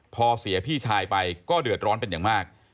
พอเสียพี่ชายไปก็เดือดร้อนเป็นอย่างมาก